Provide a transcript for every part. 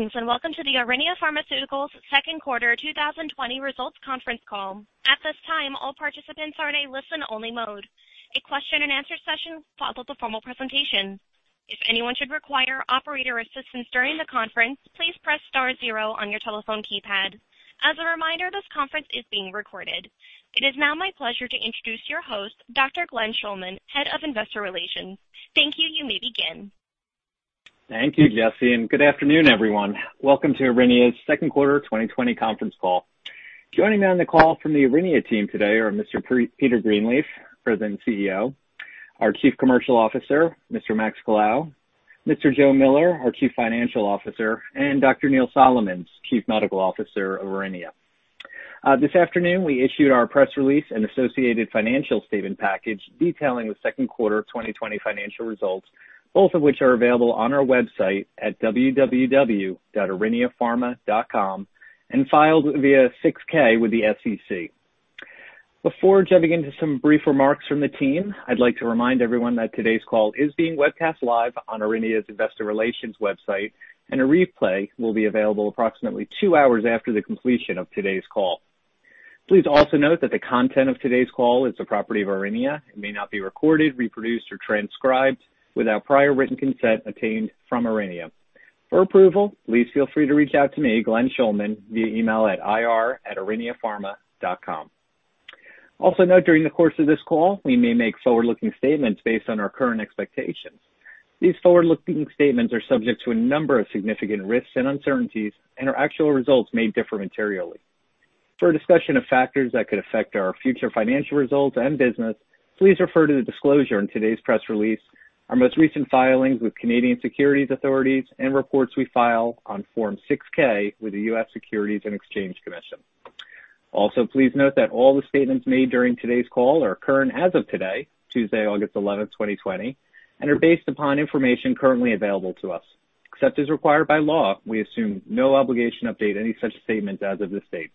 Greetings and welcome to the Aurinia Pharmaceuticals Second Quarter 2020 Results Conference Call. At this time, all participants are in a listen-only mode. A question and answer session will follow the formal presentation. If anyone should require operator assistance during the conference, please press star zero on your telephone keypad. As a reminder, this conference is being recorded. It is now my pleasure to introduce your host, Dr. Glenn Schulman, Head of Investor Relations. Thank you. You may begin. Thank you, Jesse. Good afternoon, everyone. Welcome to Aurinia's Second Quarter 2020 Conference Call. Joining me on the call from the Aurinia team today are Mr. Peter Greenleaf, President and CEO. Our Chief Commercial Officer, Mr. Max Colao. Mr. Joe Miller, our Chief Financial Officer, and Dr. Neil Solomons, Chief Medical Officer of Aurinia. This afternoon, we issued our press release, and associated financial statement package detailing the second quarter 2020 financial results, both of which are available on our website at www.auriniapharma.com, and filed via 6-K with the SEC. Before jumping into some brief remarks from the team, I'd like to remind everyone that today's call is being webcast live on Aurinia's investor relations website, and a replay will be available approximately two hours after the completion of today's call. Please also note that the content of today's call is the property of Aurinia, and may not be recorded, reproduced, or transcribed without prior written consent obtained from Aurinia. For approval, please feel free to reach out to me, Glenn Schulman, via email at ir@auriniapharma.com. Also note, during the course of this call, we may make forward-looking statements based on our current expectations. These forward-looking statements are subject to a number of significant risks and uncertainties, and our actual results may differ materially. For a discussion of factors that could affect our future financial results and business, please refer to the disclosure in today's press release, our most recent filings with Canadian securities authorities, and reports we file on Form 6-K with the U.S. Securities and Exchange Commission. Also, please note that all the statements made during today's call are current as of today, Tuesday, August 11th, 2020, and are based upon information currently available to us. Except as required by law, we assume no obligation to update any such statement as of this date.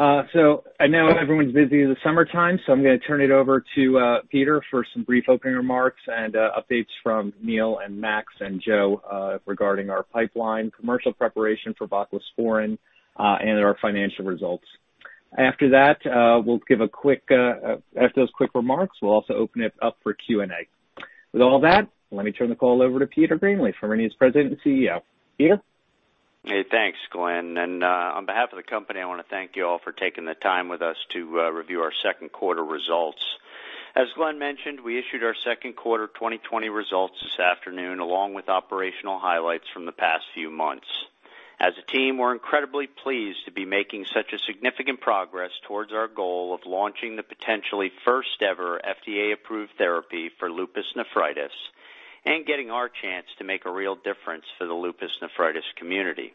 I know everyone's busy in the summertime, so I'm going to turn it over to Peter for some brief opening remarks and updates from Neil, and Max, and Joe regarding our pipeline commercial preparation for voclosporin, and our financial results. After that we'll give a quick, after those quick remarks, we'll also open it up for Q&A. With all that, let me turn the call over to Peter Greenleaf, Aurinia's President and CEO. Peter? Hey, thanks, Glenn. On behalf of the company, I want to thank you all for taking the time with us to review our second quarter results. As Glenn mentioned, we issued our second quarter 2020 results this afternoon, along with operational highlights from the past few months. As a team, we're incredibly pleased to be making such a significant progress towards our goal of launching the potentially first ever FDA-approved therapy for lupus nephritis, and getting our chance to make a real difference for the lupus nephritis community.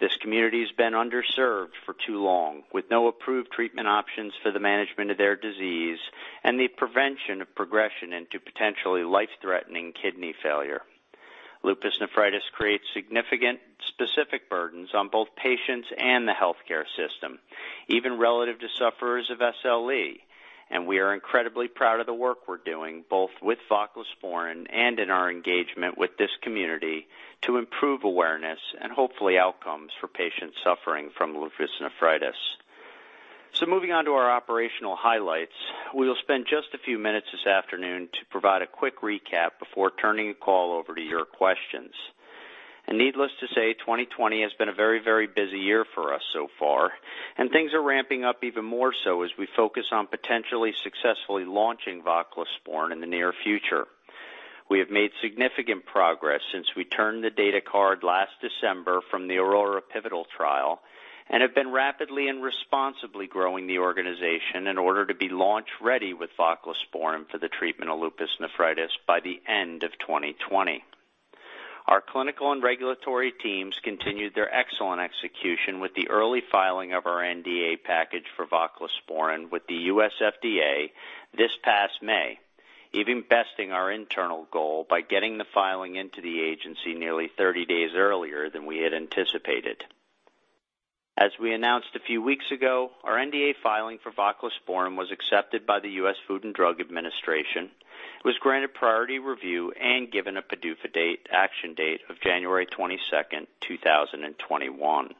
This community has been underserved for too long, with no approved treatment options for the management of their disease, and the prevention of progression into potentially life-threatening kidney failure. Lupus nephritis creates significant specific burdens on both patients and the healthcare system, even relative to sufferers of SLE. We are incredibly proud of the work we're doing, both with voclosporin, and in our engagement with this community to improve awareness, and hopefully outcomes for patients suffering from lupus nephritis. Moving on to our operational highlights. We will spend just a few minutes this afternoon to provide a quick recap before turning the call over to your questions. Needless to say, 2020 has been a very, very busy year for us so far, and things are ramping up even more so as we focus on potentially successfully launching voclosporin in the near future. We have made significant progress since we turned the data card last December from the AURORA pivotal trial, and have been rapidly, and responsibly growing the organization in order to be launch-ready with voclosporin for the treatment of lupus nephritis by the end of 2020. Our clinical and regulatory teams continued their excellent execution with the early filing of our NDA package for voclosporin with the U.S. FDA this past May, even besting our internal goal by getting the filing into the agency nearly 30 days earlier than we had anticipated. As we announced a few weeks ago, our NDA filing for voclosporin was accepted by the U.S. Food and Drug Administration. It was granted priority review, and given a PDUFA date, action date of January 22nd, 2021.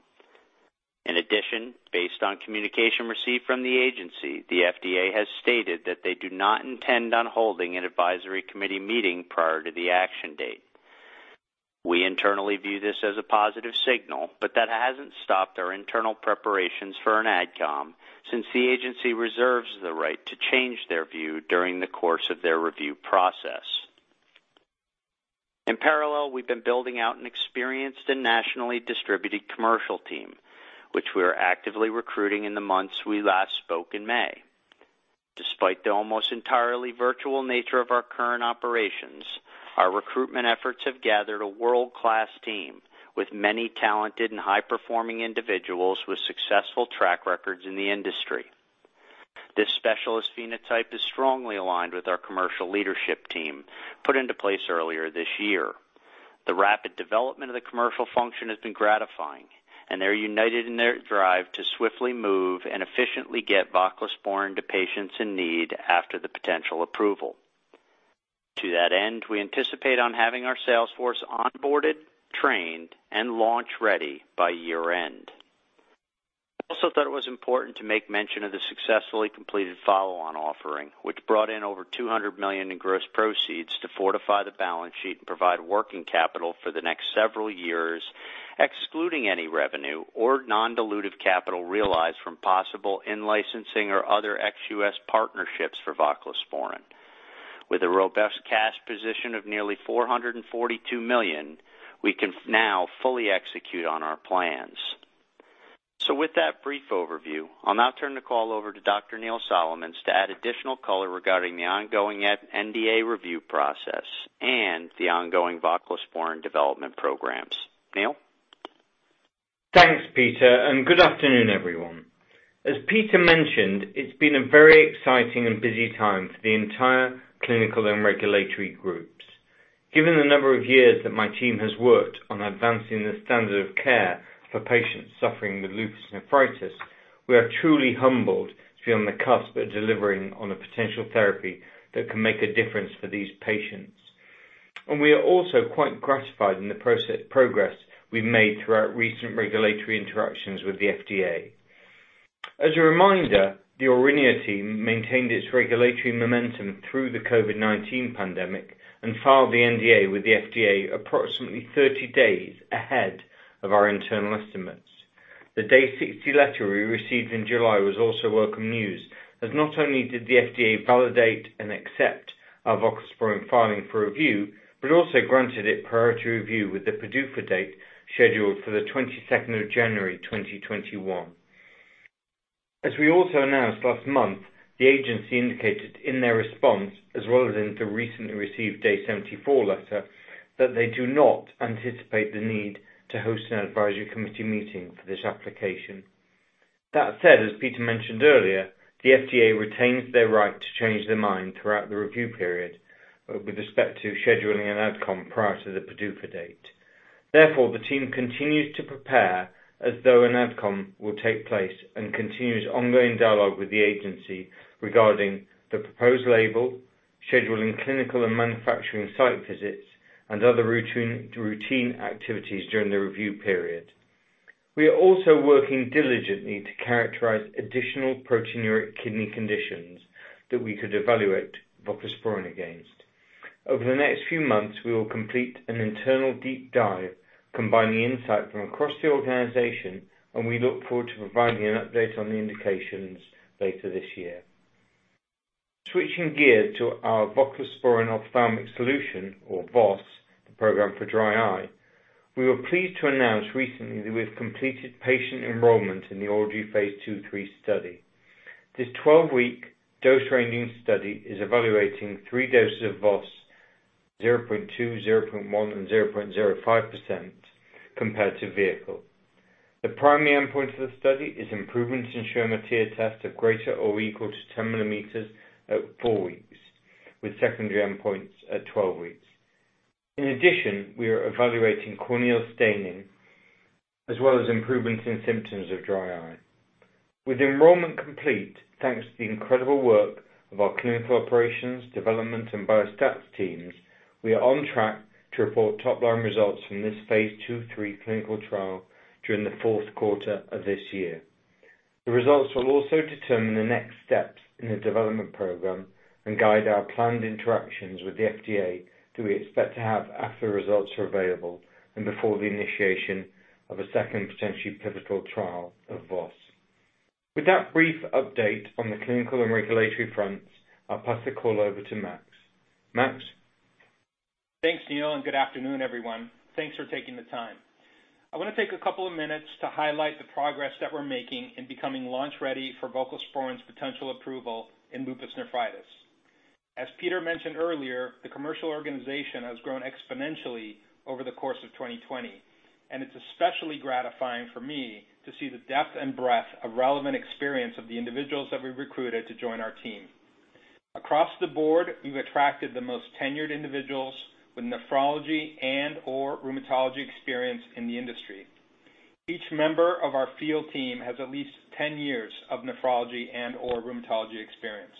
In addition, based on communication received from the agency, the FDA has stated that they do not intend on holding an advisory committee meeting prior to the action date. We internally view this as a positive signal. That hasn't stopped our internal preparations for an AdCom since the agency reserves the right to change their view during the course of their review process. In parallel, we've been building out an experienced, and nationally distributed commercial team, which we are actively recruiting in the months we last spoke in May. Despite the almost entirely virtual nature of our current operations, our recruitment efforts have gathered a world-class team with many talented and high-performing individuals with successful track records in the industry. This specialist phenotype is strongly aligned with our commercial leadership team put into place earlier this year. The rapid development of the commercial function has been gratifying, and they're united in their drive to swiftly move, and efficiently get voclosporin to patients in need after the potential approval. To that end, we anticipate on having our sales force onboarded, trained, and launch-ready by year-end. I also thought it was important to make mention of the successfully completed follow-on offering, which brought in over $200 million in gross proceeds to fortify the balance sheet, and provide working capital for the next several years, excluding any revenue, or non-dilutive capital realized from possible in-licensing, or other ex-U.S. partnerships for voclosporin. With a robust cash position of nearly $442 million, we can now fully execute on our plans. With that brief overview, I'll now turn the call over to Dr. Neil Solomons to add additional color regarding the ongoing NDA review process, and the ongoing voclosporin development programs. Neil? Thanks, Peter, and good afternoon, everyone. As Peter mentioned, it's been a very exciting and busy time for the entire clinical and regulatory groups. Given the number of years that my team has worked on advancing the standard of care for patients suffering with lupus nephritis, we are truly humbled to be on the cusp of delivering on a potential therapy that can make a difference for these patients. We are also quite gratified in the progress we've made throughout recent regulatory interactions with the FDA. As a reminder, the Aurinia team maintained its regulatory momentum through the COVID-19 pandemic, and filed the NDA with the FDA approximately 30 days ahead of our internal estimates. The Day 60 letter we received in July was also welcome news, as not only did the FDA validate and accept our voclosporin filing for review, but also granted it priority review with the PDUFA date scheduled for the 22nd of January 2021. As we also announced last month, the agency indicated in their response, as well as in the recently received Day 74 letter, that they do not anticipate the need to host an advisory committee meeting for this application. That said, as Peter mentioned earlier, the FDA retains their right to change their mind throughout the review period with respect to scheduling an AdCom prior to the PDUFA date. The team continues to prepare as though an AdCom will take place, and continues ongoing dialogue with the agency regarding the proposed label, scheduling clinical and manufacturing site visits, and other routine activities during the review period. We are also working diligently to characterize additional proteinuria kidney conditions that we could evaluate voclosporin against. Over the next few months, we will complete an internal deep dive combining insight from across the organization, and we look forward to providing an update on the indications later this year. Switching gear to our voclosporin ophthalmic solution, or VOS, the program for dry eye, we were pleased to announce recently that we've completed patient enrollment in the AUDREY phase II/III study. This 12-week dose ranging study is evaluating three doses of VOS, 0.2%, 0.1%, and 0.05%, compared to vehicle. The primary endpoint of the study is improvements in Schirmer tear test of greater or equal to 10 mm at four weeks, with secondary endpoints at 12 weeks. In addition, we are evaluating corneal staining as well as improvements in symptoms of dry eye. With enrollment complete, thanks to the incredible work of our clinical operations, development, and biostats teams, we are on track to report top line results from this phase II/III clinical trial during the fourth quarter of this year. The results will also determine the next steps in the development program, and guide our planned interactions with the FDA that we expect to have after results are available, and before the initiation of a second potentially pivotal trial of VOS. With that brief update on the clinical and regulatory fronts, I'll pass the call over to Max. Max? Thanks, Neil. Good afternoon, everyone. Thanks for taking the time. I want to take a couple of minutes to highlight the progress that we're making in becoming launch-ready for voclosporin's potential approval in lupus nephritis. As Peter mentioned earlier, the commercial organization has grown exponentially over the course of 2020. It's especially gratifying for me to see the depth and breadth of relevant experience of the individuals that we recruited to join our team. Across the board, we've attracted the most tenured individuals with nephrology and/or rheumatology experience in the industry. Each member of our field team has at least 10 years of nephrology and/or rheumatology experience.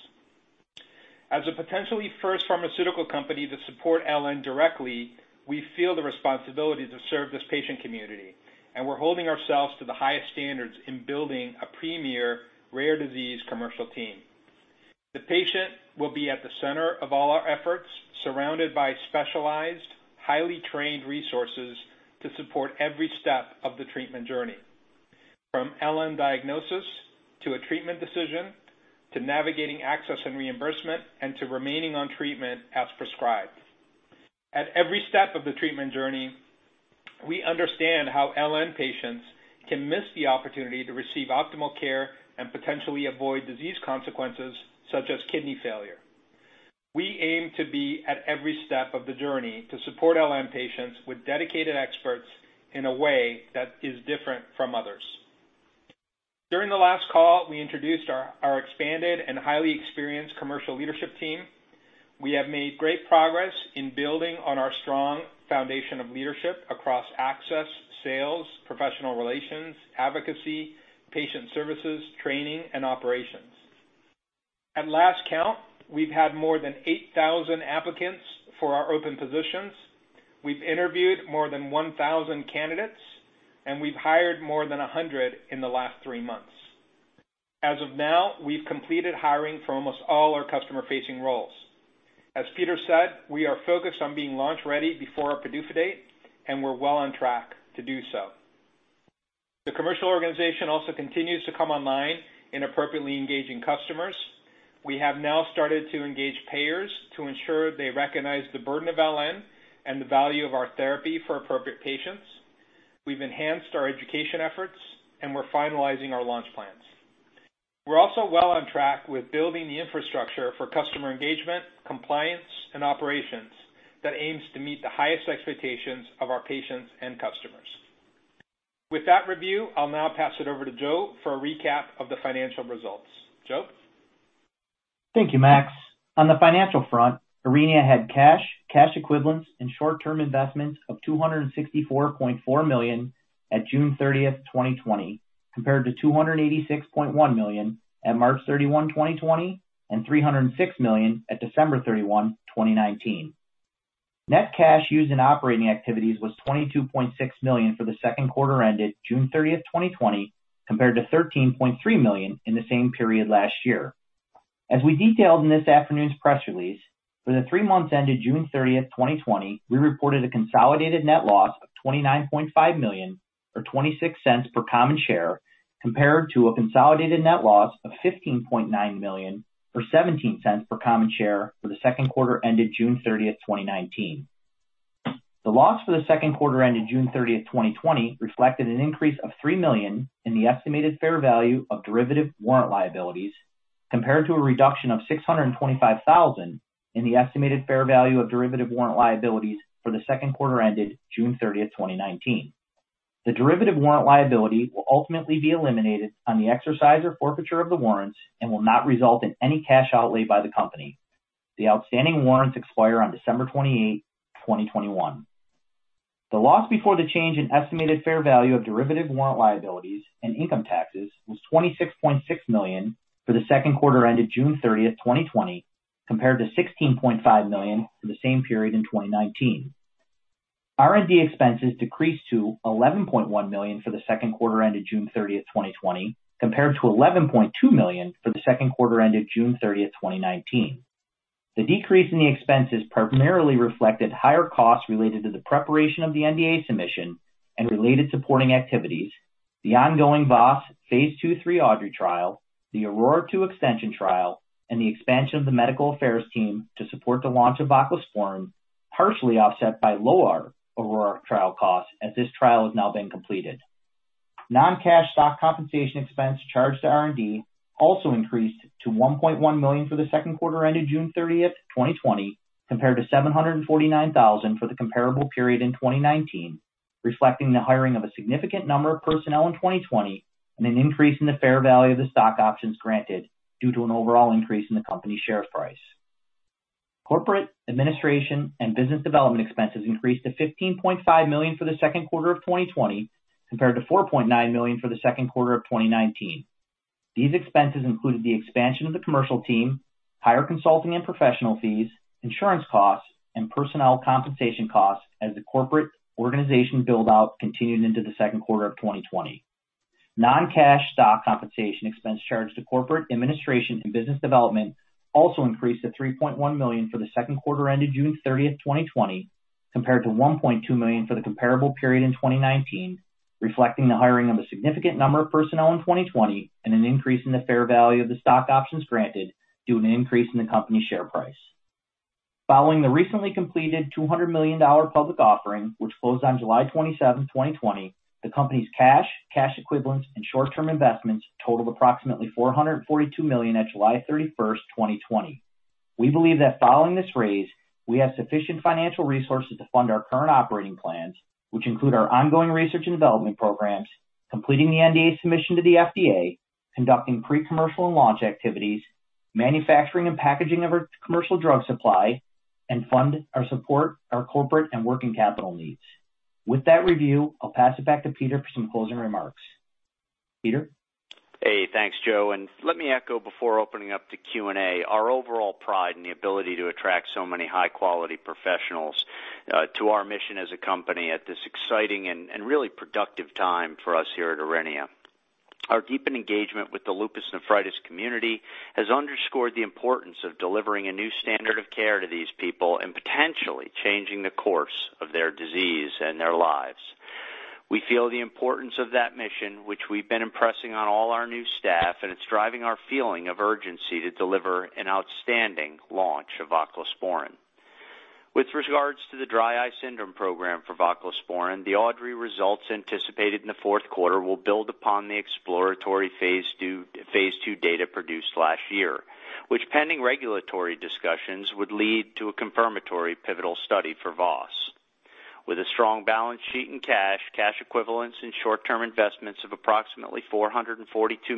As a potentially first pharmaceutical company to support LN directly, we feel the responsibility to serve this patient community. We're holding ourselves to the highest standards in building a premier rare disease commercial team. The patient will be at the center of all our efforts, surrounded by specialized, highly trained resources to support every step of the treatment journey, from LN diagnosis to a treatment decision to navigating access and reimbursement, and to remaining on treatment as prescribed. At every step of the treatment journey, we understand how LN patients can miss the opportunity to receive optimal care, and potentially avoid disease consequences such as kidney failure. We aim to be at every step of the journey to support LN patients with dedicated experts in a way that is different from others. During the last call, we introduced our expanded and highly experienced commercial leadership team. We have made great progress in building on our strong foundation of leadership across access, sales, professional relations, advocacy, patient services, training, and operations. At last count, we've had more than 8,000 applicants for our open positions. We've interviewed more than 1,000 candidates. We've hired more than 100 in the last three months. As of now, we've completed hiring for almost all our customer-facing roles. As Peter said, we are focused on being launch-ready before our PDUFA date. We're well on track to do so. The commercial organization also continues to come online in appropriately engaging customers. We have now started to engage payers to ensure they recognize the burden of LN, and the value of our therapy for appropriate patients. We've enhanced our education efforts. We're finalizing our launch plans. We're also well on track with building the infrastructure for customer engagement, compliance, and operations that aims to meet the highest expectations of our patients and customers. With that review, I'll now pass it over to Joe for a recap of the financial results. Joe? Thank you, Max. On the financial front, Aurinia had cash equivalents, and short-term investments of $264.4 million at June 30th, 2020, compared to $286.1 million at March 31, 2020, and $306 million at December 31, 2019. Net cash used in operating activities was $22.6 million for the second quarter ended June 30th, 2020, compared to $13.3 million in the same period last year. As we detailed in this afternoon's press release, for the three months ended June 30th, 2020, we reported a consolidated net loss of $29.5 million, or $0.26 per common share, compared to a consolidated net loss of $15.9 million, or $0.17 per common share for the second quarter ended June 30th, 2019. The loss for the second quarter ended June 30th, 2020, reflected an increase of $3 million in the estimated fair value of derivative warrant liabilities, compared to a reduction of $625,000 in the estimated fair value of derivative warrant liabilities for the second quarter ended June 30th, 2019. The derivative warrant liability will ultimately be eliminated on the exercise or forfeiture of the warrants, and will not result in any cash outlay by the company. The outstanding warrants expire on December 28, 2021. The loss before the change in estimated fair value of derivative warrant liabilities and income taxes was $26.6 million for the second quarter ended June 30th, 2020, compared to $16.5 million for the same period in 2019. R&D expenses decreased to $11.1 million for the second quarter ended June 30th, 2020, compared to $11.2 million for the second quarter ended June 30th, 2019. The decrease in the expenses primarily reflected higher costs related to the preparation of the NDA submission, and related supporting activities, the ongoing VOS phase II/III AUDREY trial, the AURORA 2 extension trial, and the expansion of the medical affairs team to support the launch of voclosporin, partially offset by lower AURORA trial costs, as this trial has now been completed. Non-cash stock compensation expense charged to R&D also increased to $1.1 million for the second quarter ended June 30th, 2020, compared to $749,000 for the comparable period in 2019, reflecting the hiring of a significant number of personnel in 2020, and an increase in the fair value of the stock options granted due to an overall increase in the company's share price. Corporate, administration, and business development expenses increased to $15.5 million for the second quarter of 2020, compared to $4.9 million for the second quarter of 2019. These expenses included the expansion of the commercial team, higher consulting and professional fees, insurance costs, and personnel compensation costs as the corporate organization build-out continued into the second quarter of 2020. Non-cash stock compensation expense charged to corporate, administration, and business development also increased to $3.1 million for the second quarter ended June 30, 2020, compared to $1.2 million for the comparable period in 2019, reflecting the hiring of a significant number of personnel in 2020, and an increase in the fair value of the stock options granted due to an increase in the company's share price. Following the recently completed $200 million public offering, which closed on July 27, 2020, the company's cash equivalents, and short-term investments totaled approximately $442 million at July 31st, 2020. We believe that following this raise, we have sufficient financial resources to fund our current operating plans, which include our ongoing research and development programs, completing the NDA submission to the FDA, conducting pre-commercial and launch activities, manufacturing, and packaging of our commercial drug supply, and fund our support our corporate and working capital needs. With that review, I'll pass it back to Peter for some closing remarks. Peter? Hey, thanks, Joe. Let me echo before opening up to Q&A our overall pride in the ability to attract so many high-quality professionals to our mission as a company at this exciting and really productive time for us here at Aurinia. Our deepened engagement with the lupus nephritis community has underscored the importance of delivering a new standard of care to these people, and potentially changing the course of their disease and their lives. We feel the importance of that mission, which we've been impressing on all our new staff, and it's driving our feeling of urgency to deliver an outstanding launch of voclosporin. With regards to the dry eye syndrome program for voclosporin, the AUDREY results anticipated in the fourth quarter will build upon the exploratory phase II data produced last year, which pending regulatory discussions, would lead to a confirmatory pivotal study for VOS. With a strong balance sheet and cash, cash equivalents, and short-term investments of approximately $442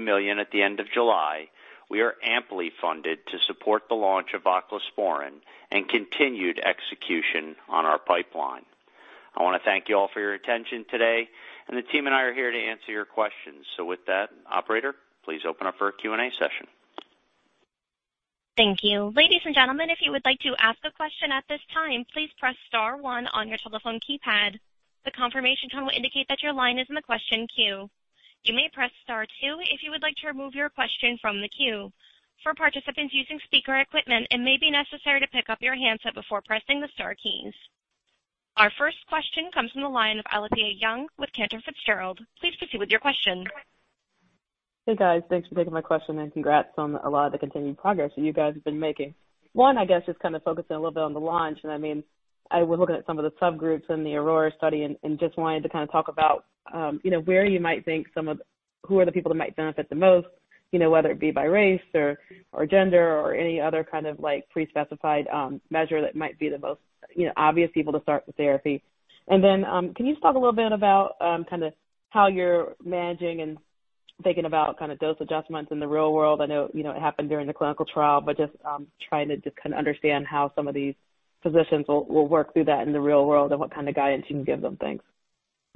million at the end of July, we are amply funded to support the launch of voclosporin, and continued execution on our pipeline. I want to thank you all for your attention today, and the team and I are here to answer your questions. With that, operator, please open up for our Q&A session. Thank you. Ladies and gentlemen, if you would like to ask a question at this time, please press star one on your telephone keypad. The confirmation tone will indicate that your line is in the question queue. You may press star two if you would like to remove your question from the queue. For participants using speaker equipment, it may be necessary to pick up your handset before pressing the star keys. Our first question comes from the line of Alethia Young with Cantor Fitzgerald. Please proceed with your question. Hey, guys. Thanks for taking my question, and congrats on a lot of the continued progress that you guys have been making. One, I guess, just kind of focusing a little bit on the launch. I mean, I was looking at some of the subgroups in the AURORA study, and just wanted to kinda talk about where you might think some of, who are the people that might benefit the most, you know, whether it be by race, or gender, or any other kind of pre-specified measure that might be the most obvious people to start the therapy? Then can you just talk a little bit about how you're managing, and thinking about dose adjustments in the real world? I know it happened during the clinical trial, just trying to just understand how some of these physicians will work through that in the real world and what kind of guidance you can give them.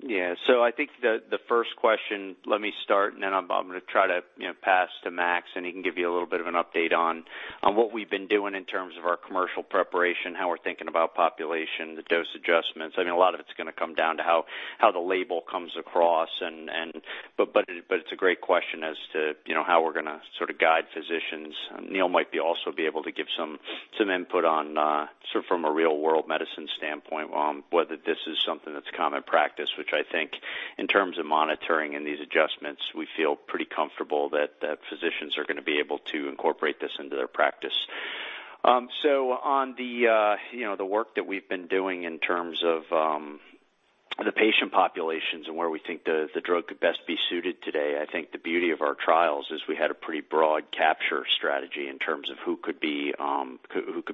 Thanks. I think the first question, let me start, and then I'm going to try to pass to Max, and he can give you a little bit of an update on what we've been doing in terms of our commercial preparation, how we're thinking about population, the dose adjustments. A lot of it's going to come down to how the label comes across. It's a great question as to how we're going to sort of guide physicians. Neil might also be able to give some input on from a real world medicine standpoint, on whether this is something that's common practice. I think in terms of monitoring and these adjustments, we feel pretty comfortable that physicians are going to be able to incorporate this into their practice. On the work that we've been doing in terms of the patient populations, and where we think the drug could best be suited today, I think the beauty of our trials is we had a pretty broad capture strategy in terms of who could be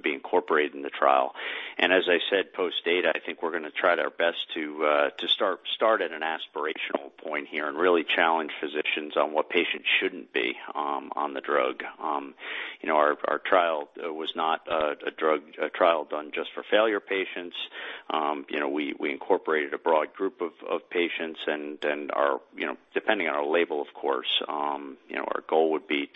incorporated in the trial. As I said, post data, I think we're going to try our best to start at an aspirational point here, and really challenge physicians on what patients shouldn't be on the drug. You know, our trial was not a drug, a trial done just for failure patients. You know, we incorporated a broad group of patients, and then our, depending on our label, of course, our goal would be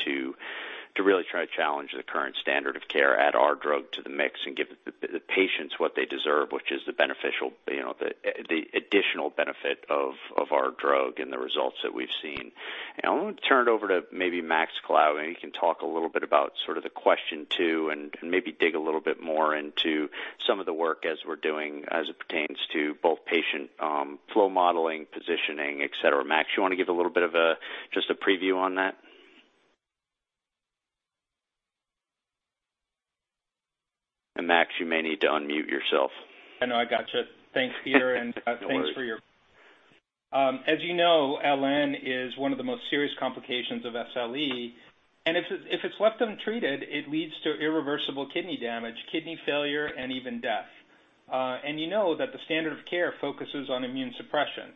to really try to challenge the current standard of care, add our drug to the mix, and give the patients what they deserve, which is the beneficial, you know, additional benefit of our drug, and the results that we've seen. I want to turn it over to maybe Max Colao, and he can talk a little bit about sort of the question two, and maybe dig a little bit more into some of the work as we're doing as it pertains to both patient flow modeling, positioning, et cetera. Max, you want to give a little bit of just a preview on that? Max, you may need to unmute yourself. I know. I got you. Thanks, Peter. Thanks for your. No worries. As you know, LN is one of the most serious complications of SLE, and if it's left untreated, it leads to irreversible kidney damage, kidney failure, and even death. You know that the standard of care focuses on immune suppression.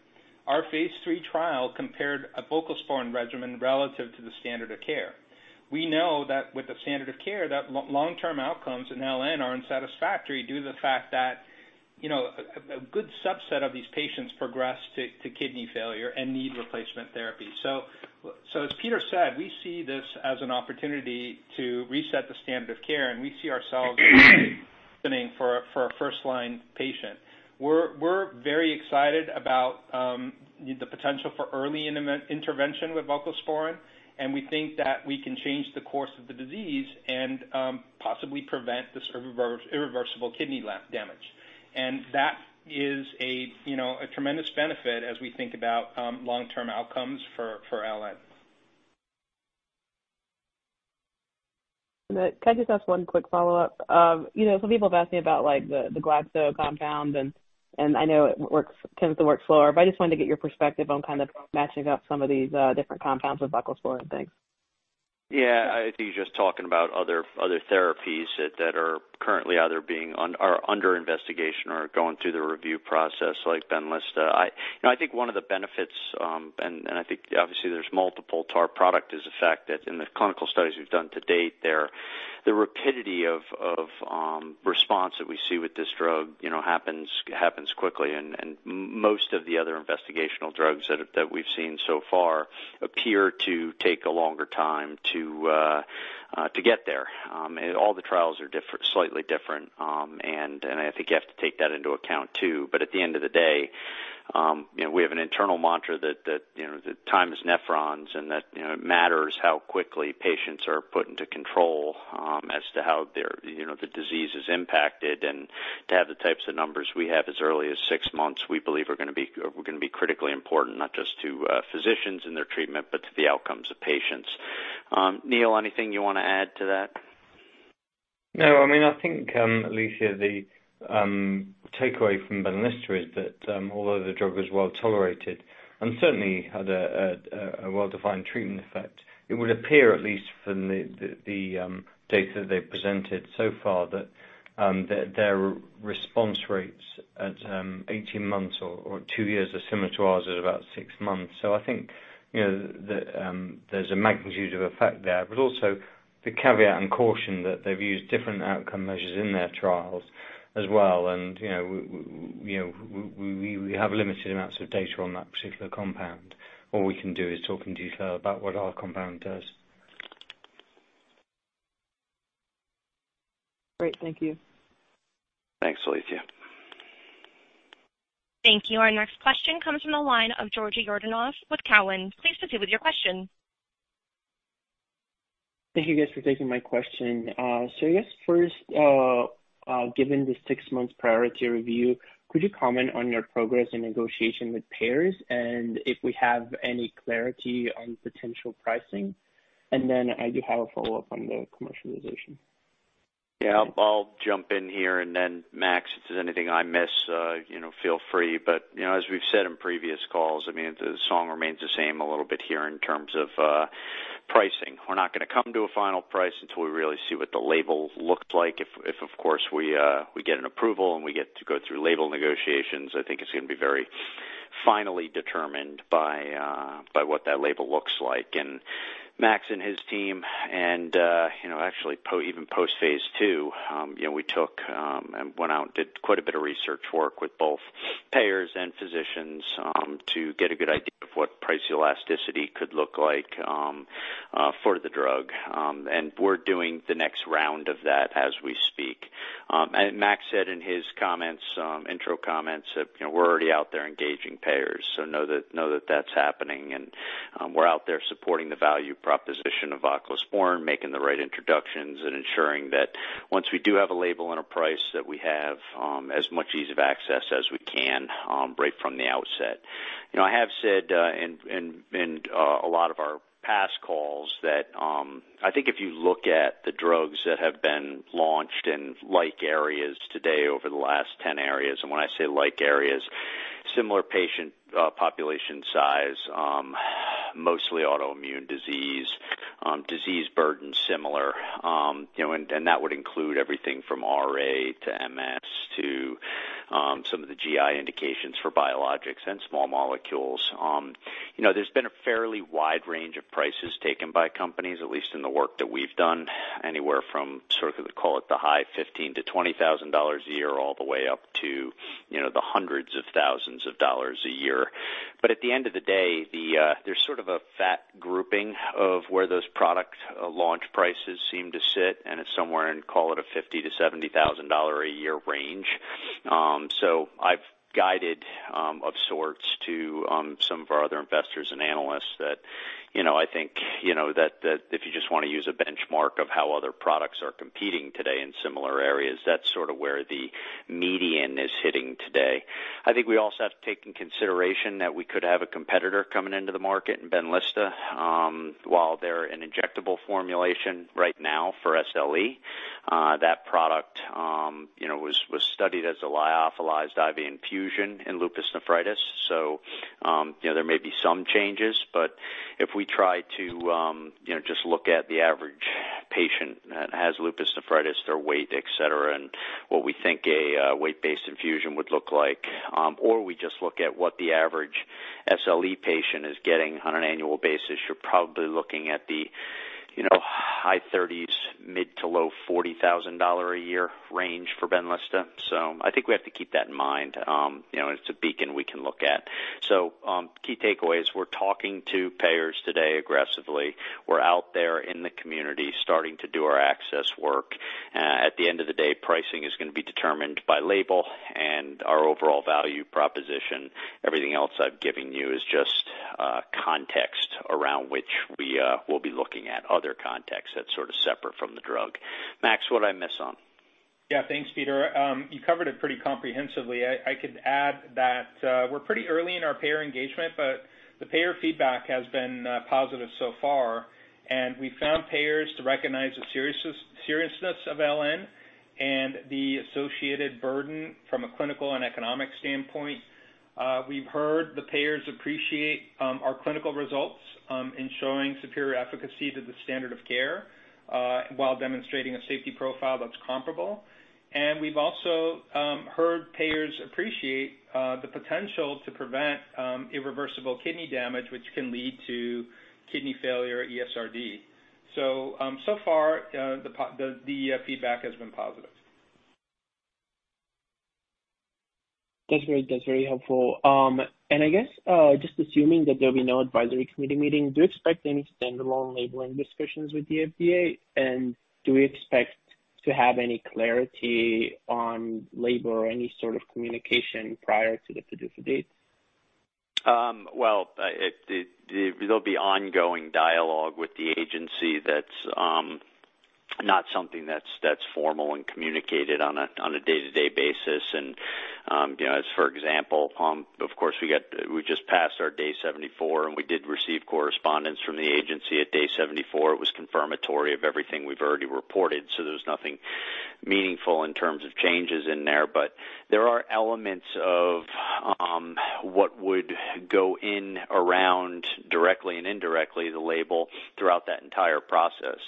Our phase III trial compared a voclosporin regimen relative to the standard of care. We know that with the standard of care, that long-term outcomes in LN are unsatisfactory due to the fact that you know a good subset of these patients progress to kidney failure, and need replacement therapy. As Peter said, we see this as an opportunity to reset the standard of care, and we see ourselves opening for a first-line patient. We're very excited about the potential for early intervention with voclosporin, and we think that we can change the course of the disease, and possibly prevent this irreversible kidney damage. That is a tremendous benefit as we think about long-term outcomes for LN. Can I just ask one quick follow-up? You know, some people have asked me about the Glaxo compound, and I know it works, tends to work slower, but I just wanted to get your perspective on kind of matching up some of these different compounds with voclosporin. Thanks. Yeah. I think you're just talking about other therapies that are currently under investigation, or going through the review process, like BENLYSTA. I think one of the benefits, and I think obviously there's multiple to our product, is the fact that in the clinical studies we've done to date, the rapidity of response that we see with this drug happens quickly, and most of the other investigational drugs that we've seen so far appear to take a longer time to get there. All the trials are different, are slightly different, and I think you have to take that into account, too. At the end of the day, we have an internal mantra that time is nephrons, and that it matters how quickly patients are put into control as to how the disease is impacted. To have the types of numbers we have as early as six months, we believe are going to be critically important, not just to physicians and their treatment, but to the outcomes of patients. Neil, anything you want to add to that? No. I think, Alethia, the takeaway from BENLYSTA is that although the drug was well-tolerated, and certainly had a well-defined treatment effect, it would appear, at least from the data they presented so far, that their response rates at 18 months or two years are similar to ours at about six months. I think there's a magnitude of effect there, but also the caveat and caution that they've used different outcome measures in their trials as well, and we have limited amounts of data on that particular compound. All we can do is talk in detail about what our compound does. Great. Thank you. Thanks, Alethia. Thank you. Our next question comes from the line of Georgi Yordanov with Cowen. Please proceed with your question. Thank you guys for taking my question. I guess first, given the six months priority review, could you comment on your progress in negotiation with payers, and if we have any clarity on potential pricing? I do have a follow-up on the commercialization. Yeah, I'll jump in here, and then Max, if there's anything I miss, feel free. As we've said in previous calls, the song remains the same a little bit here in terms of pricing. We're not going to come to a final price until we really see what the label looks like. If of course, we get an approval, and we get to go through label negotiations, I think it's going to be very finally determined by what that label looks like. Max and his team, and actually even post phase II, we took, and went out, and did quite a bit of research work with both payers and physicians, to get a good idea of what price elasticity could look like for the drug. We're doing the next round of that as we speak. Max said in his comments, intro comments that we're already out there engaging payers, so know that that's happening. We're out there supporting the value proposition of voclosporin, making the right introductions, and ensuring that once we do have a label and a price that we have, as much ease of access as we can, right from the outset. I have said in a lot of our past calls that I think if you look at the drugs that have been launched in like areas today over the last 10 areas, and when I say like areas, similar patient population size, mostly autoimmune disease, disease burden similar. That would include everything from RA to MS to some of the GI indications for biologics and small molecules. There's been a fairly wide range of prices taken by companies, at least in the work that we've done, anywhere from sort of call it the high $15,000-$20,000 a year, all the way up to the hundreds of thousands of dollars a year. At the end of the day, there's sort of a fat grouping of where those product launch prices seem to sit, and it's somewhere in call it a $50,000-$70,000 a year range. I've guided, of sorts, to some of our other investors and analysts that I think, that if you just want to use a benchmark of how other products are competing today in similar areas, that's sort of where the median is hitting today. I think we also have to take into consideration that we could have a competitor coming into the market in BENLYSTA. While they're an injectable formulation right now for SLE. That product was studied as a lyophilized IV infusion in lupus nephritis. There may be some changes, but if we try to just look at the average patient that has lupus nephritis, their weight, et cetera, and what we think a weight-based infusion would look like, or we just look at what the average SLE patient is getting on an annual basis, you're probably looking at the high 30s, mid to low $40,000 a year range for BENLYSTA. I think we have to keep that in mind. It's a beacon we can look at. Key takeaways, we're talking to payers today aggressively. We're out there in the community starting to do our access work. At the end of the day, pricing is going to be determined by label, and our overall value proposition. Everything else I'm giving you is just context around which we will be looking at other contexts that is sort of separate from the drug. Max, what did I miss on? Thanks, Peter. You covered it pretty comprehensively. I could add that we're pretty early in our payer engagement. The payer feedback has been positive so far. We found payers to recognize the seriousness of LN, and the associated burden from a clinical and economic standpoint. We've heard the payers appreciate our clinical results in showing superior efficacy to the standard of care, while demonstrating a safety profile that's comparable. We've also heard payers appreciate the potential to prevent irreversible kidney damage, which can lead to kidney failure ESRD. So far, the feedback has been positive. That's very helpful. I guess, just assuming that there'll be no advisory committee meeting, do you expect any standalone labeling discussions with the FDA? Do we expect to have any clarity on label, or any sort of communication prior to the PDUFA date? Well, there'll be ongoing dialogue with the agency that's not something that's formal and communicated on a day-to-day basis. As for example, of course we just passed our Day 74, and we did receive correspondence from the agency at Day 74. It was confirmatory of everything we've already reported, so there's nothing meaningful in terms of changes in there. There are elements of what would go in around directly and indirectly the label throughout that entire process.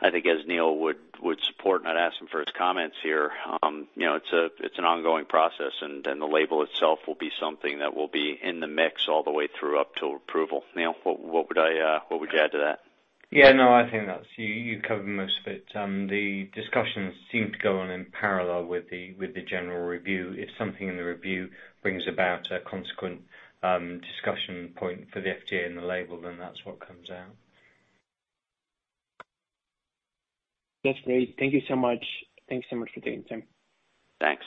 I think as Neil would support, not asking for his comments here, it's an ongoing process, and the label itself will be something that will be in the mix all the way through up till approval. Neil, what would you add to that? Yeah, no, I think that you covered most of it. The discussions seem to go on in parallel with the general review. If something in the review brings about a consequent discussion point for the FDA and the label, then that's what comes out. That's great. Thank you so much for taking the time. Thanks.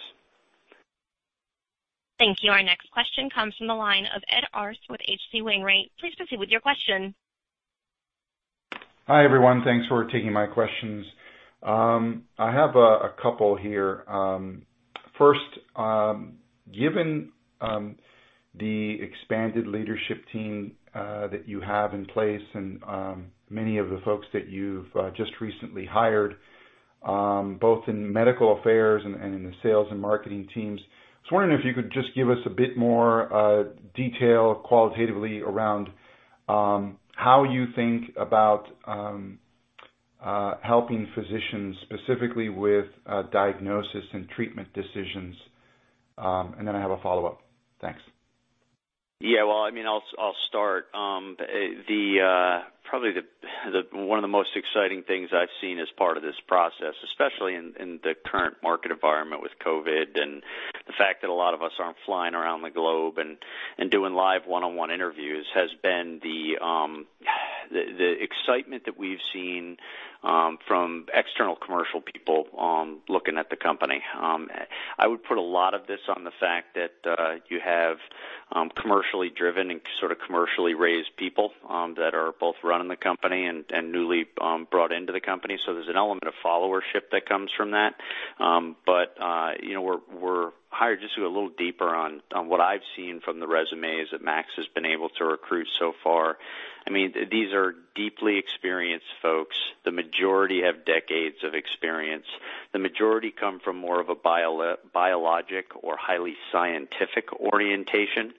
Thank you. Our next question comes from the line of Ed Arce with H.C. Wainwright. Please proceed with your question. Hi, everyone. Thanks for taking my questions. I have a couple here. First, given the expanded leadership team that you have in place, and many of the folks that you've just recently hired, both in medical affairs, and in the sales, and marketing teams, I was wondering if you could just give us a bit more detail qualitatively around how you think about helping physicians specifically with diagnosis and treatment decisions. Then I have a follow-up. Thanks. Yeah. Well, I'll start. Probably one of the most exciting things I've seen as part of this process, especially in the current market environment with COVID, and the fact that a lot of us aren't flying around the globe, and doing live one-on-one interviews, has been the excitement that we've seen from external commercial people looking at the company. I would put a lot of this on the fact that you have commercially driven, and sort of commercially raised people that are both running the company, and newly brought into the company. There's an element of followership that comes from that. We're hired just to go a little deeper on what I've seen from the resumes that Max has been able to recruit so far. These are deeply experienced folks. The majority have decades of experience. The majority come from more of a biologic, or highly scientific orientation,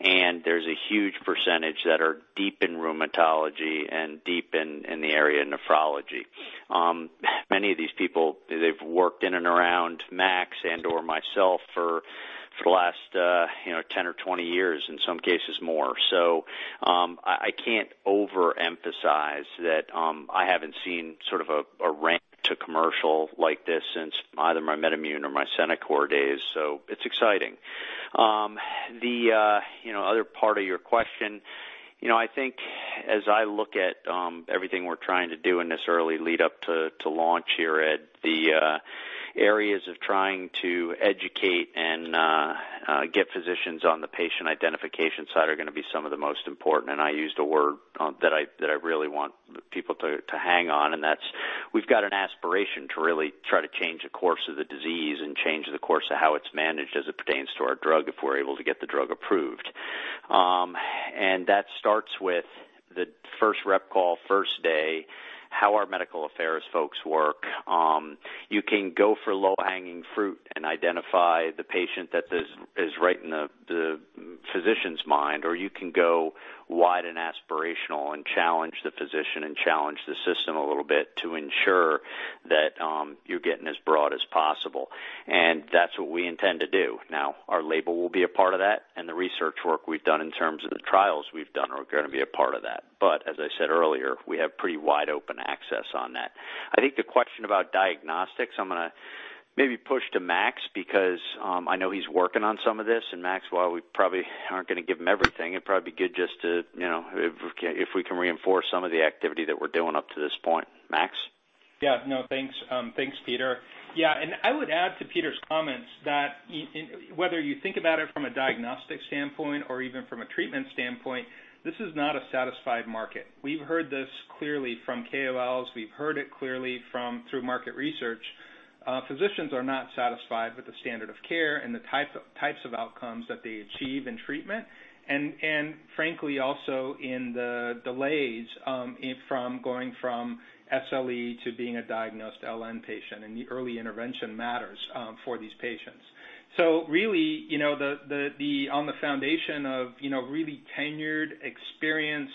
and there's a huge percentage that are deep in rheumatology and deep in the area of nephrology. Many of these people, they've worked in and around Max and/or myself for the last 10 or 20 years, in some cases more. I can't overemphasize that I haven't seen sort of a ramp to commercial like this since either my MedImmune or my Cerecor days. It's exciting. The other part of your question, you know I think as I look at everything we're trying to do in this early lead up to launch here, Ed, the areas of trying to educate, and get physicians on the patient identification side are going to be some of the most important. I used a word that I really want people to hang on, and that's we've got an aspiration to really try to change the course of the disease, and change the course of how it's managed as it pertains to our drug, if we're able to get the drug approved. That starts with the first rep call, first day, how our medical affairs folks work. You can go for low-hanging fruit, and identify the patient that is right in the physician's mind, or you can go wide and aspirational, and challenge the physician, and challenge the system a little bit to ensure that you're getting as broad as possible. That's what we intend to do. Now, our label will be a part of that, and the research work we've done in terms of the trials we've done are going to be a part of that. As I said earlier, we have pretty wide open access on that. I think the question about diagnostics, I'm going to maybe push to Max because I know he's working on some of this. Max, while we probably aren't going to give him everything, it'd probably be good just to, if we can reinforce some of the activity that we're doing up to this point. Max? Yeah. No, thanks, Peter. Yeah, I would add to Peter's comments that whether you think about it from a diagnostic standpoint, or even from a treatment standpoint, this is not a satisfied market. We've heard this clearly from KOLs. We've heard it clearly through market research. Physicians are not satisfied with the standard of care, and the types of outcomes that they achieve in treatment, and frankly, also in the delays from going from SLE to being a diagnosed LN patient, and the early intervention matters for these patients. Really, on the foundation of really tenured, experienced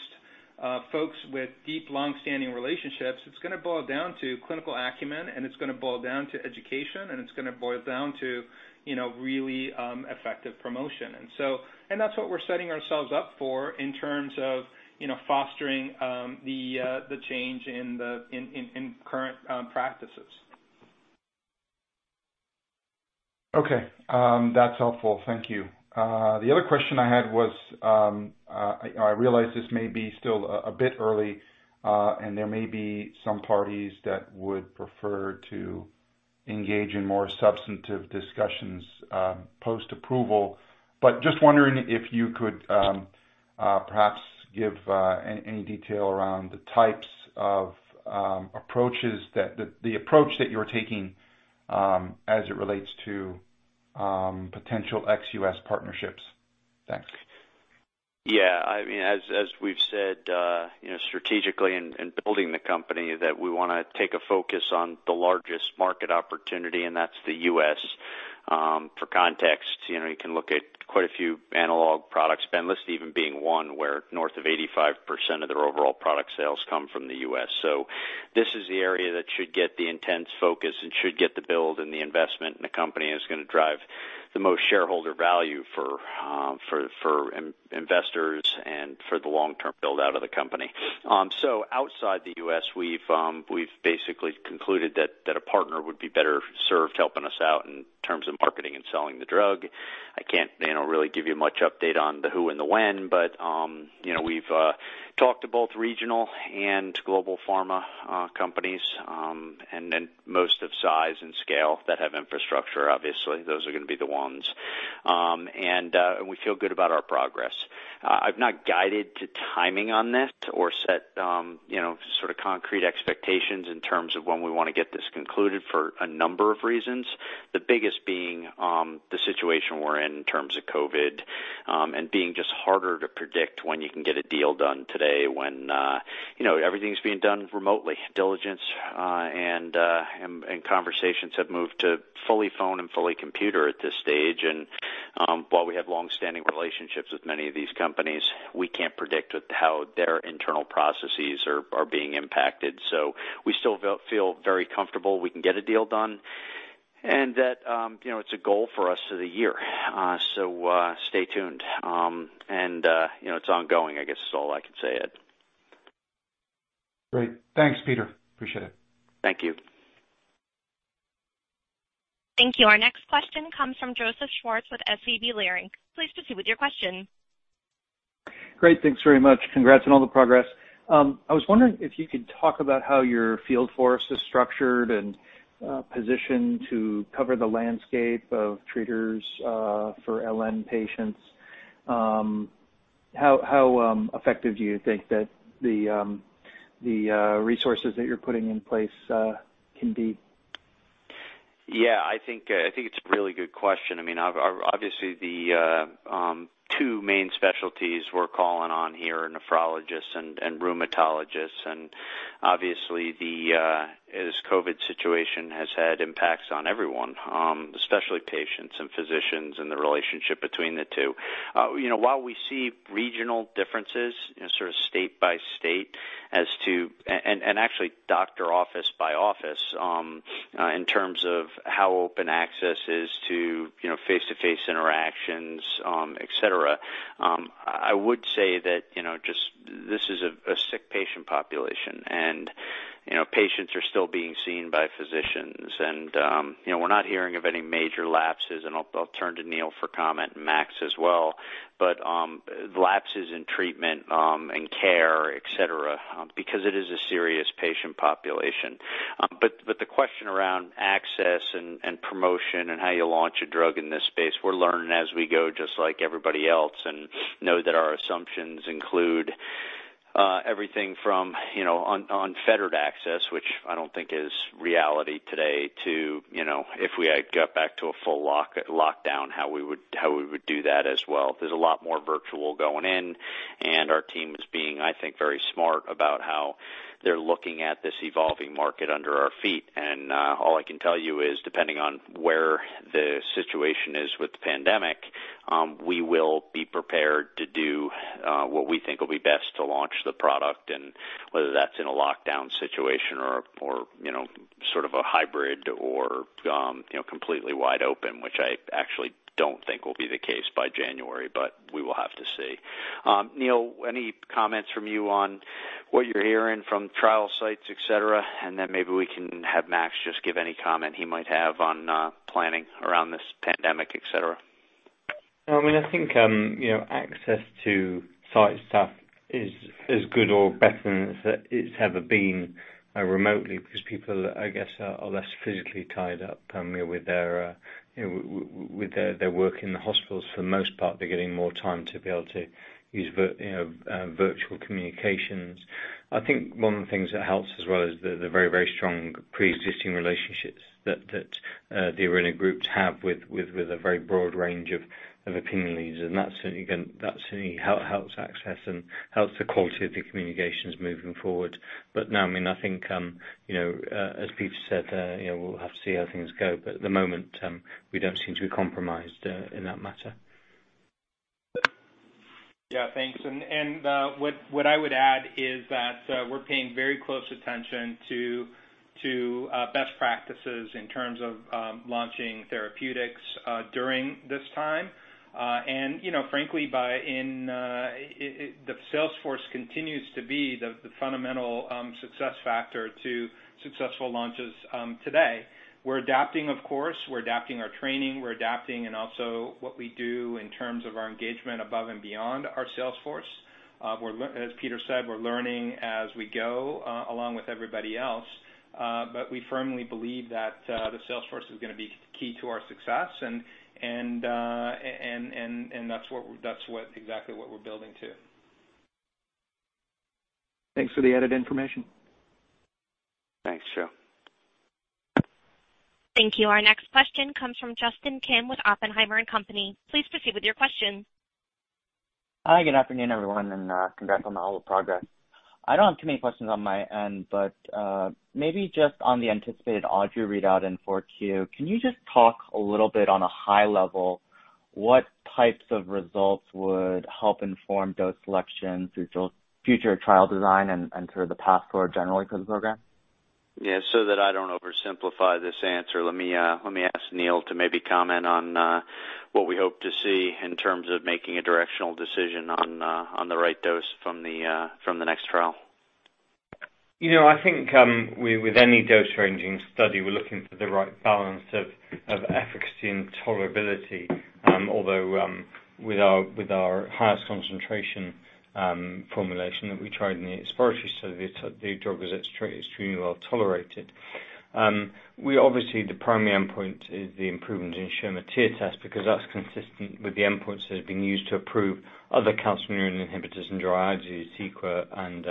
folks with deep, long-standing relationships, it's going to boil down to clinical acumen, and it's going to boil down to education, and it's going to boil down to really effective promotion. That's what we're setting ourselves up for in terms of fostering the change in current practices. Okay. That's helpful. Thank you. The other question I had was, I realize this may be still a bit early, and there may be some parties that would prefer to engage in more substantive discussions post-approval, but just wondering if you could perhaps give any detail around the types of approaches the approach that you're taking as it relates to potential ex-U.S. partnerships. Thanks. Yeah. As we've said strategically in building the company, that we want to take a focus on the largest market opportunity, and that's the U.S. For context, you can look at quite a few analog products, BENLYSTA even being one where north of 85% of their overall product sales come from the U.S. This is the area that should get the intense focus, and should get the build and the investment in the company, and it's going to drive the most shareholder value for investors, and for the long-term build-out of the company. Outside the U.S., we've basically concluded that a partner would be better served helping us out in terms of marketing and selling the drug. I can't really give you much update on the who and the when, but we've talked to both regional and global pharma companies, and most of size and scale that have infrastructure, obviously, those are going to be the ones. We feel good about our progress. I've not guided to timing on this, or set concrete expectations in terms of when we want to get this concluded for a number of reasons, the biggest being the situation we're in in terms of COVID, and being just harder to predict when you can get a deal done today when everything's being done remotely. Diligence and conversations have moved to fully phone and fully computer at this stage, and while we have long-standing relationships with many of these companies, we can't predict how their internal processes are being impacted. We still feel very comfortable we can get a deal done, and that it's a goal for us for the year. Stay tuned, and it's ongoing, I guess is all I can say, Ed. Great. Thanks, Peter. Appreciate it. Thank you. Thank you. Our next question comes from Joseph Schwartz with SVB Leerink. Please proceed with your question. Great. Thanks very much. Congrats on all the progress. I was wondering if you could talk about how your field force is structured, and positioned to cover the landscape of treaters for LN patients. How effective do you think that the resources that you're putting in place can be? Yeah, I think it's a really good question. The two main specialties we're calling on here are nephrologists and rheumatologists. Obviously, this COVID-19 situation has had impacts on everyone, especially patients and physicians, and the relationship between the two. While we see regional differences, sort of state by state, as to, and actually doctor office by office in terms of how open access is to face-to-face interactions, et cetera, I would say that just this is a sick patient population, and patients are still being seen by physicians. We're not hearing of any major lapses, and I'll turn to Neil for comment, and Max as well, but lapses in treatment and care, et cetera, because it is a serious patient population. The question around access and promotion, and how you launch a drug in this space, we're learning as we go, just like everybody else. Know that our assumptions include everything from unfettered access, which I don't think is reality today, to if we got back to a full lockdown, how we would do that as well. There's a lot more virtual going in, and our team is being, I think, very smart about how they're looking at this evolving market under our feet. All I can tell you is, depending on where the situation is with the pandemic, we will be prepared to do what we think will be best to launch the product, and whether that's in a lockdown situation, or sort of a hybrid, or completely wide open, which I actually don't think will be the case by January, but we will have to see. Neil, any comments from you on what you're hearing from trial sites, et cetera? Maybe we can have Max just give any comment he might have on planning around this pandemic, et cetera. I think access to site stuff is as good or better than it's ever been remotely because people, I guess, are less physically tied up with their work in the hospitals. For the most part, they're getting more time to be able to use virtual communications. I think one of the things that helps as well is the very, very strong pre-existing relationships that the Aurinia groups have with a very broad range of opinion leaders, and that certainly helps access, and helps the quality of the communications moving forward. No, I think you know as Peter said, we'll have to see how things go. At the moment, we don't seem to be compromised in that matter. Yeah, thanks. What I would add is that we're paying very close attention to best practices in terms of launching therapeutics during this time. Frankly, the sales force continues to be the fundamental success factor to successful launches today. We're adapting, of course. We're adapting our training, we're adapting, and also what we do in terms of our engagement above and beyond our sales force. As Peter said, we're learning as we go along with everybody else. We firmly believe that the sales force is going to be key to our success, and that's exactly what we're building to. Thanks for the added information. Thanks, Joe. Thank you. Our next question comes from Justin Kim with Oppenheimer & Co. Please proceed with your question. Hi, good afternoon, everyone, and congrats on all the progress. I don't have too many questions on my end, maybe just on the anticipated AUDREY read out in 4Q. Can you just talk a little bit on a high level what types of results would help inform dose selection through future trial design, and sort of the path forward generally for the program? Yeah. That I don't oversimplify this answer, let me ask Neil to maybe comment on what we hope to see in terms of making a directional decision on the right dose from the next trial. I think with any dose-ranging study, we're looking for the right balance of efficacy and tolerability. Although with our highest concentration formulation that we tried in the exploratory study, the drug was extremely well-tolerated. Obviously, the primary endpoint is the improvement in Schirmer tear test, because that's consistent with the endpoints that have been used to approve other calcineurin inhibitors, and dry eyes, CEQUA, and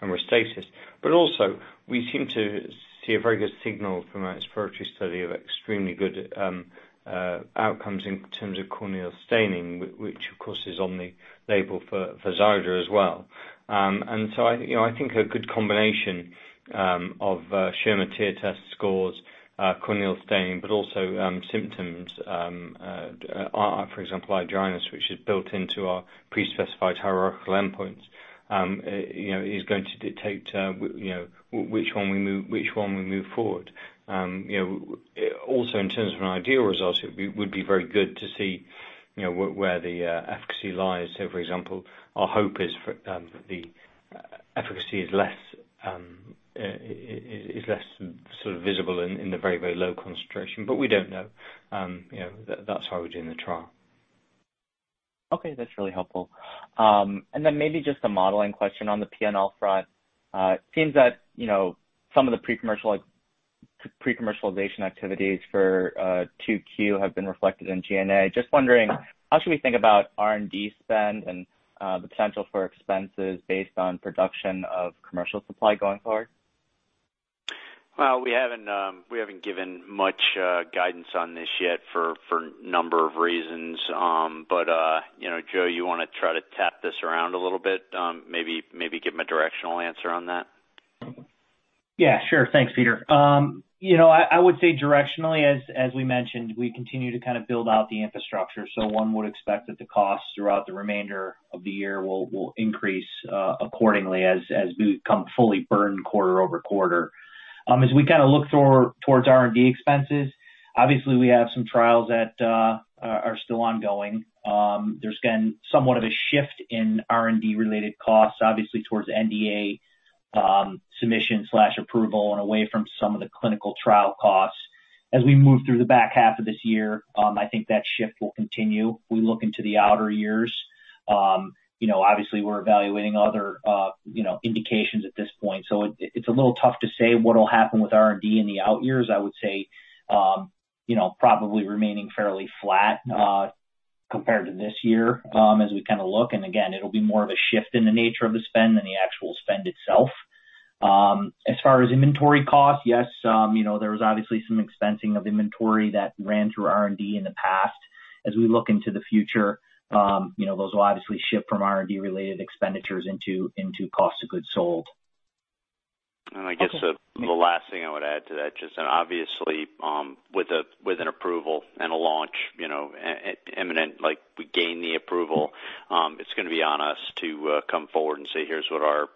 RESTASIS. Also, we seem to see a very good signal from our exploratory study of extremely good outcomes in terms of corneal staining, which of course is on the label for Xiidra as well. I think a good combination of Schirmer tear test scores, corneal staining, but also symptoms, for example, eye dryness, which is built into our pre-specified hierarchical endpoints is going to dictate which one we move forward. In terms of an ideal result, it would be very good to see where the efficacy lies. For example, our hope is for the efficacy is less visible in the very low concentration, but we don't know. That's why we're doing the trial. Okay, that's really helpful. Then maybe just a modeling question on the P&L front. It seems that some of the pre-commercialization activities for 2Q have been reflected in G&A. Just wondering, how should we think about R&D spend, and the potential for expenses based on production of commercial supply going forward? Well, we haven't given much guidance on this yet for a number of reasons. Joe, you want to try to tap this around a little bit, maybe give him a directional answer on that? Sure. Thanks, Peter. I would say directionally, as we mentioned, we continue to build out the infrastructure. One would expect that the costs throughout the remainder of the year will increase accordingly as we become fully burned quarter-over-quarter. As we look towards R&D expenses, obviously we have some trials that are still ongoing. There's been somewhat of a shift in R&D related costs, obviously towards NDA submission/approval, and away from some of the clinical trial costs. As we move through the back half of this year, I think that shift will continue. We look into the outer years. Obviously, we're evaluating other indications at this point. It's a little tough to say what'll happen with R&D in the out years. I would say probably remaining fairly flat compared to this year as we kinda look. Again, it'll be more of a shift in the nature of the spend than the actual spend itself. As far as inventory costs, yes, there was obviously some expensing of inventory that ran through R&D in the past. As we look into the future, those will obviously shift from R&D related expenditures into cost of goods sold. Okay. I guess the last thing I would add to that, just obviously with an approval, and a launch imminent, like we gain the approval, it's going to be on us to come forward and say, "Here's what our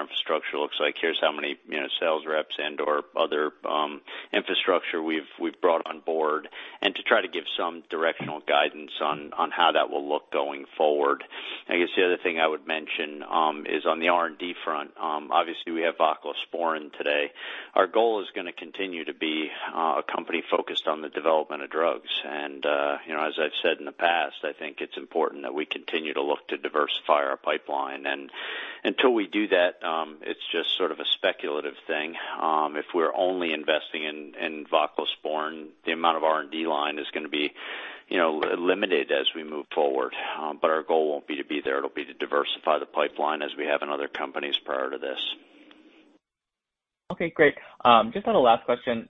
infrastructure looks like. Here's how many sales reps and/or other infrastructure we've brought on board," and to try to give some directional guidance on how that will look going forward. I guess the other thing I would mention is on the R&D front. Obviously, we have voclosporin today. Our goal is going to continue to be a company focused on the development of drugs. As I've said in the past, I think it's important that we continue to look to diversify our pipeline. Until we do that, it's just sort of a speculative thing. If we're only investing in voclosporin, the amount of R&D line is going to be limited as we move forward. Our goal won't be to be there, it'll be to diversify the pipeline as we have in other companies prior to this. Okay, great. Just had a last question.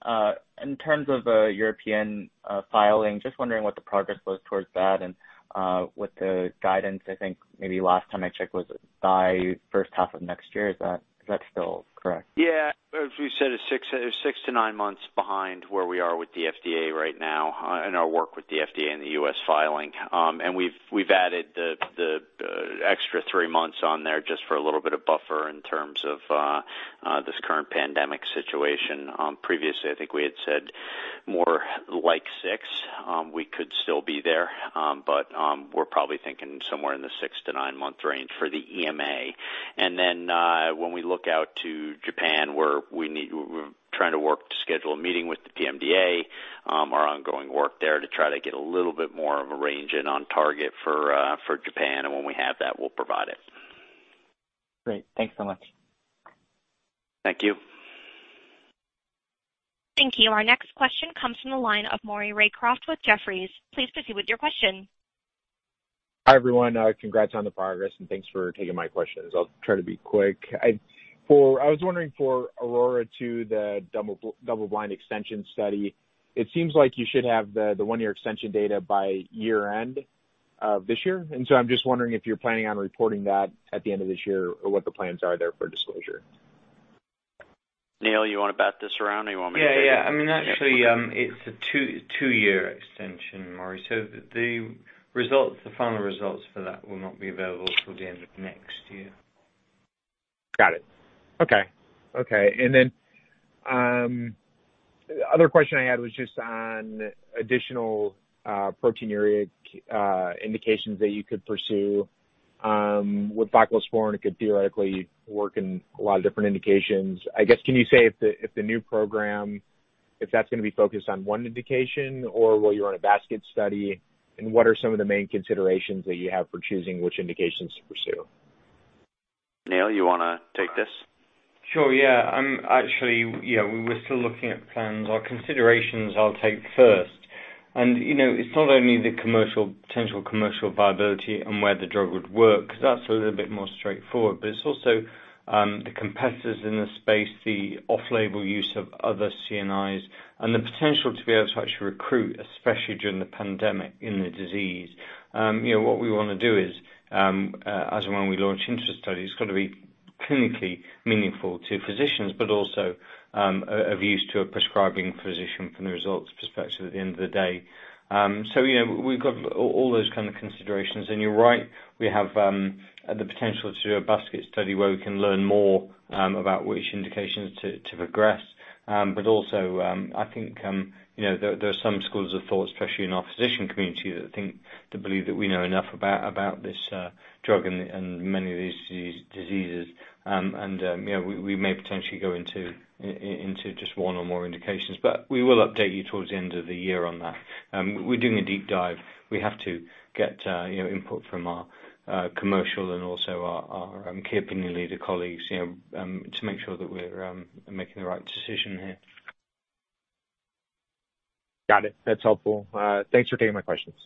In terms of European filing, just wondering what the progress was towards that, and what the guidance, I think maybe last time I checked was by first half of next year. Is that still correct? Yeah. As we said, it's six to nine months behind where we are with the FDA right now, and our work with the FDA, and the U.S. filing. We've added the extra three months on there just for a little bit of buffer in terms of this current pandemic situation. Previously, I think we had said more like six. We could still be there. We're probably thinking somewhere in the six to nine-month range for the EMA. When we look out to Japan, where we're trying to work to schedule a meeting with the PMDA, our ongoing work there to try to get a little bit more of a range in on target for Japan. When we have that, we'll provide it. Great. Thanks so much. Thank you. Thank you. Our next question comes from the line of Maury Raycroft with Jefferies. Please proceed with your question. Hi, everyone. Congrats on the progress. Thanks for taking my questions. I'll try to be quick. I was wondering for AURORA 2, the double-blind extension study. It seems like you should have the one-year extension data by year-end of this year. I'm just wondering if you're planning on reporting that at the end of this year, or what the plans are there for disclosure? Neil, you want to bat this around, or you want me to take it? Yeah. Actually, it's a two-year extension, Maury. The final results for that will not be available till the end of next year. Got it. Okay. The other question I had was just on additional proteinuria indications that you could pursue. With voclosporin, it could theoretically work in a lot of different indications. I guess, can you say if the new program, if that's going to be focused on one indication, or will you run a basket study? What are some of the main considerations that you have for choosing which indications to pursue? Neil, you want to take this? Sure. Yeah. Actually, we're still looking at plans, or considerations I'll take first. It's not only the potential commercial viability, and where the drug would work, because that's a little bit more straightforward, but it's also the competitors in the space, the off-label use of other CNIs, and the potential to be able to actually recruit, especially during the pandemic, in the disease. What we want to do is, as and when we launch into the study, it's got to be clinically meaningful to physicians, but also of use to a prescribing physician from the results perspective at the end of the day. We've got all those kind of considerations. You're right, we have the potential to do a basket study where we can learn more about which indications to progress. Also, I think there are some schools of thought, especially in our physician community, that believe that we know enough about this drug, and many of these diseases. We may potentially go into just one, or more indications. We will update you towards the end of the year on that. We're doing a deep dive. We have to get input from our commercial and also our key opinion leader colleagues, to make sure that we're making the right decision here. Got it. That's helpful. Thanks for taking my questions.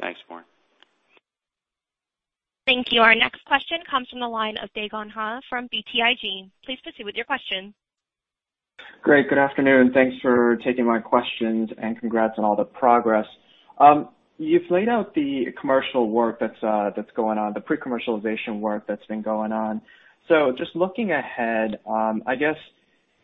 Thanks, Maury. Thank you. Our next question comes from the line of Dae Gon Ha from BTIG. Please proceed with your question. Great. Good afternoon. Thanks for taking my questions, and congrats on all the progress. You've laid out the commercial work that's going on, the pre-commercialization work that's been going on. Just looking ahead, I guess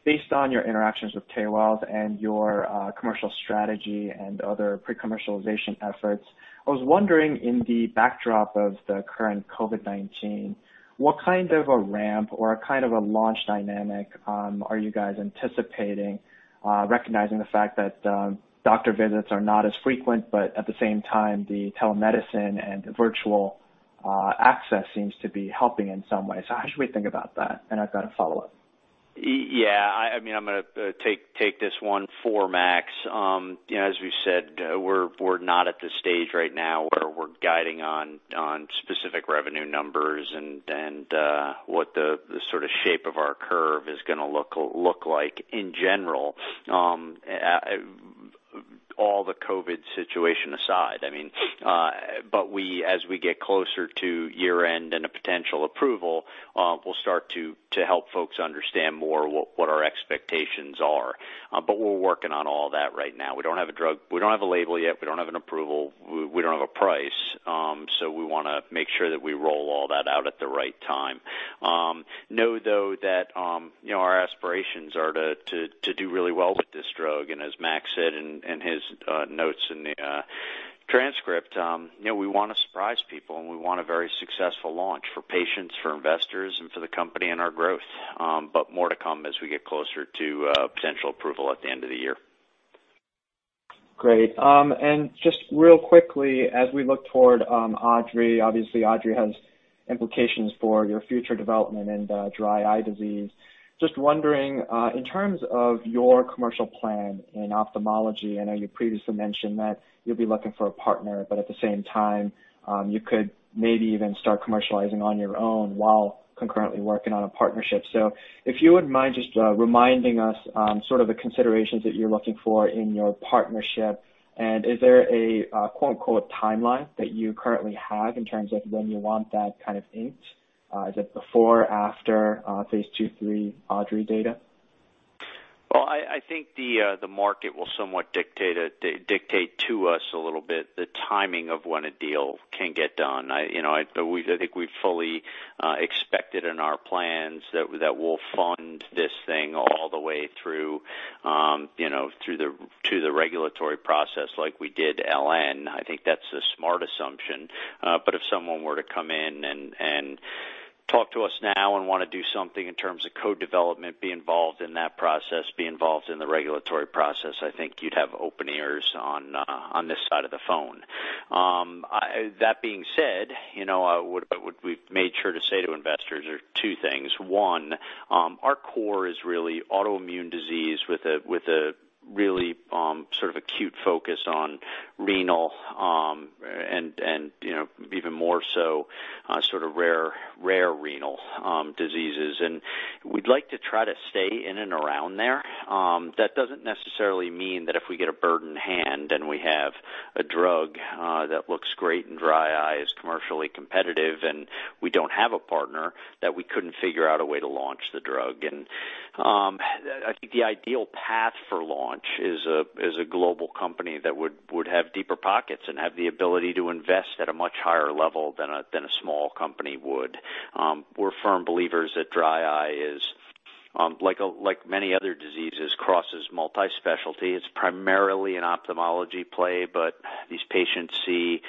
based on your interactions with payers, and your commercial strategy, and other pre-commercialization efforts, I was wondering in the backdrop of the current COVID-19, what kind of a ramp, or a kind of a launch dynamic are you guys anticipating? Recognizing the fact that doctor visits are not as frequent, but at the same time, the telemedicine and virtual access seems to be helping in some way. How should we think about that? I've got a follow-up. Yeah. I'm going to take this one for Max. As we've said, we're not at the stage right now where we're guiding on specific revenue numbers, and what the sort of shape of our curve is going to look like in general. All the COVID-19 situation aside, I mean. As we get closer to year-end, and a potential approval, we'll start to help folks understand more what our expectations are. We're working on all that right now. We don't have a label yet. We don't have an approval. We don't have a price. We want to make sure that we roll all that out at the right time. Know, though, that our aspirations are to do really well with this drug, and as Max said in his notes in the transcript, we want to surprise people, and we want a very successful launch for patients, for investors, and for the company and our growth. More to come as we get closer to potential approval at the end of the year. Great. Just real quickly, as we look toward AUDREY, obviously AUDREY has implications for your future development in dry eye disease. Just wondering, in terms of your commercial plan in ophthalmology, I know you previously mentioned that you'll be looking for a partner, but at the same time, you could maybe even start commercializing on your own while concurrently working on a partnership. If you wouldn't mind just reminding us sort of the considerations that you're looking for in your partnership, and is there a quote-unquote timeline that you currently have in terms of when you want that kind of inked? Is it before or after phase II/III AUDREY data? I think the market will somewhat dictate to us a little bit the timing of when a deal can get done. I think we fully expect it in our plans that we'll fund this thing all the way through the regulatory process like we did LN. I think that's a smart assumption. If someone were to come in, and talk to us now, and want to do something in terms of co-development, be involved in that process, be involved in the regulatory process, I think you'd have open ears on this side of the phone. That being said, you know I would, what we've made sure to say to investors are two things. One, our core is really autoimmune disease with a really sort of acute focus on renal, and even more so sort of rare renal diseases. We'd like to try to stay in and around there. That doesn't necessarily mean that if we get a bird in hand, and we have a drug that looks great in dry eye, is commercially competitive, and we don't have a partner, that we couldn't figure out a way to launch the drug. I think the ideal path for launch is a global company that would have deeper pockets, and have the ability to invest at a much higher level than a small company would. We're firm believers that dry eye is, like many other diseases, crosses multi-specialty. It's primarily an ophthalmology play, but these patients see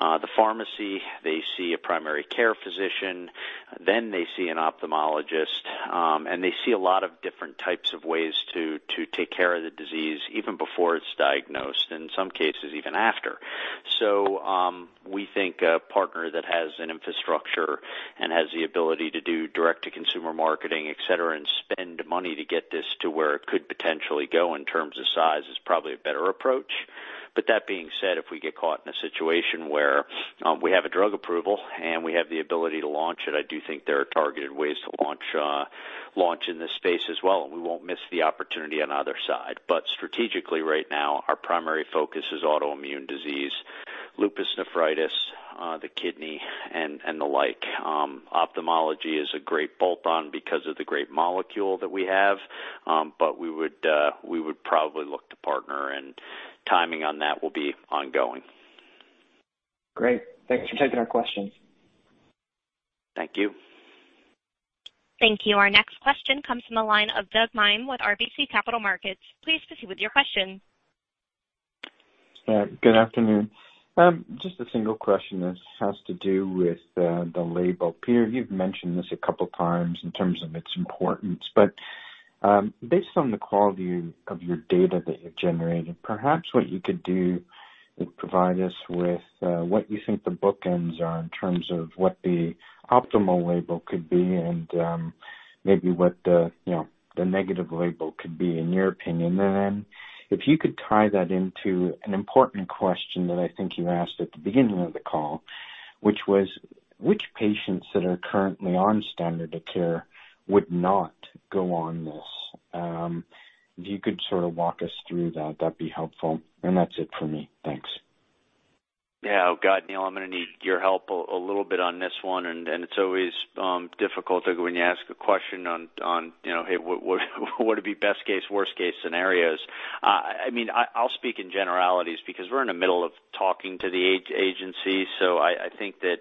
the pharmacy, they see a primary care physician, then they see an ophthalmologist, and they see a lot of different types of ways to take care of the disease even before it's diagnosed, in some cases, even after. We think a partner that has an infrastructure, and has the ability to do direct-to-consumer marketing, et cetera, and spend money to get this to where it could potentially go in terms of size is probably a better approach. That being said, if we get caught in a situation where we have a drug approval, and we have the ability to launch it, I do think there are targeted ways to launch in this space as well, and we won't miss the opportunity on either side. Strategically, right now, our primary focus is autoimmune disease, lupus nephritis, the kidney, and the like. Ophthalmology is a great bolt-on because of the great molecule that we have. We would probably look to partner, and timing on that will be ongoing. Great. Thanks for taking our question. Thank you. Thank you. Our next question comes from the line of Doug Miehm with RBC Capital Markets. Please proceed with your question. Good afternoon. Just a single question that has to do with the label. Peter, you've mentioned this a couple of times in terms of its importance. Based on the quality of your data that you've generated, perhaps what you could do is provide us with what you think the bookends are in terms of what the optimal label could be, and maybe what the negative label could be, in your opinion. If you could tie that into an important question that I think you asked at the beginning of the call, which was, which patients that are currently on standard of care would not go on this? If you could sort of walk us through that'd be helpful. That's it for me. Thanks. Yeah. Oh, God, Neil, I'm going to need your help a little bit on this one. It's always difficult when you ask a question on, "Hey, what would be best case, worst case scenarios?" I'll speak in generalities because we're in the middle of talking to the agency. I think that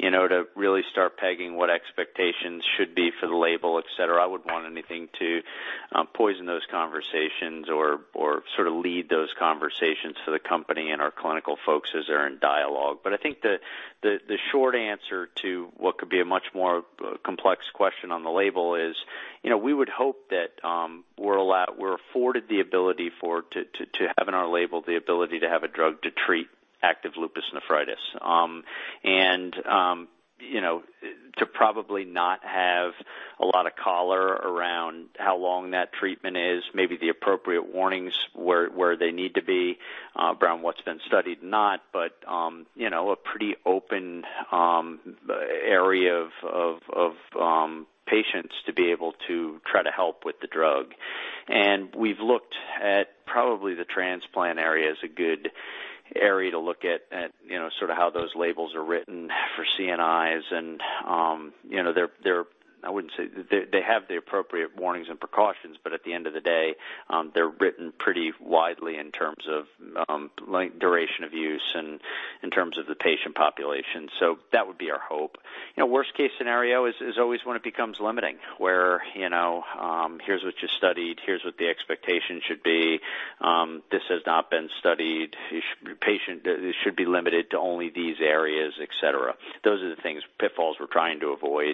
to really start pegging what expectations should be for the label, et cetera, I wouldn't want anything to poison those conversations or sort of lead those conversations for the company and our clinical folks as they're in dialogue. I think the short answer to what could be a much more complex question on the label is, we would hope that we're afforded the ability to have in our label the ability to have a drug to treat active lupus nephritis. To probably not have a lot of color around how long that treatment is, maybe the appropriate warnings where they need to be around what's been studied and not, but a pretty open area of patients to be able to try to help with the drug. We've looked at probably the transplant area as a good area to look at sort of how those labels are written for CNIs, and they have the appropriate warnings and precautions, but at the end of the day, they're written pretty widely in terms of duration of use and in terms of the patient population. That would be our hope. Worst case scenario is always when it becomes limiting, where here's what you studied, here's what the expectation should be. This has not been studied. Your patient should be limited to only these areas, et cetera. Those are the pitfalls we're trying to avoid.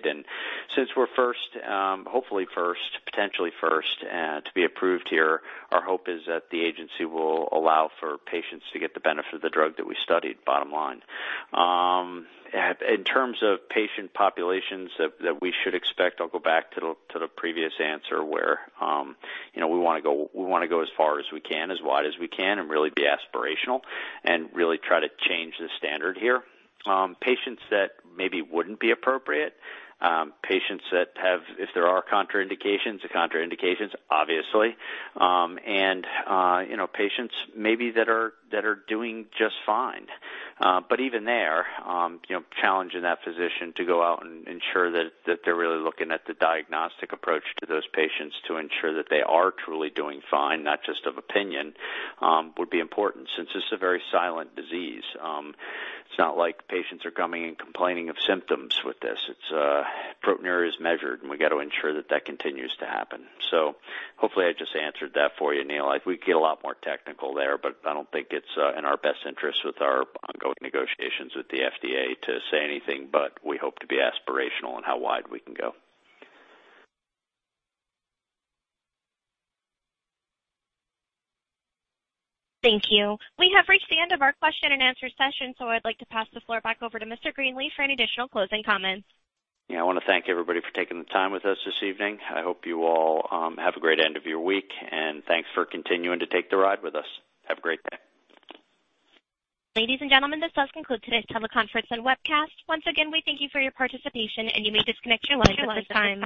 Since we're hopefully first, potentially first to be approved here, our hope is that the agency will allow for patients to get the benefit of the drug that we studied, bottom line. In terms of patient populations that we should expect, I'll go back to the previous answer where we want to go as far as we can, as wide as we can, and really be aspirational, and really try to change the standard here. Patients that maybe wouldn't be appropriate, patients that have, if there are contraindications, the contraindications, obviously, and patients maybe that are doing just fine. Even there, challenging that physician to go out, and ensure that they're really looking at the diagnostic approach to those patients to ensure that they are truly doing fine, not just of opinion, would be important since this is a very silent disease. It's not like patients are coming, and complaining of symptoms with this. Its proteinuria is measured, and we got to ensure that that continues to happen. Hopefully, I just answered that for you, Neil. We could get a lot more technical there, but I don't think it's in our best interest with our ongoing negotiations with the FDA to say anything, but we hope to be aspirational on how wide we can go. Thank you. We have reached the end of our question and answer session. I'd like to pass the floor back over to Mr. Greenleaf for any additional closing comments. Yeah, I want to thank everybody for taking the time with us this evening. I hope you all have a great end of your week, and thanks for continuing to take the ride with us. Have a great day. Ladies and gentlemen, this does conclude today's teleconference and webcast. Once again, we thank you for your participation, and you may disconnect your lines at this time.